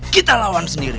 kita lawan sendiri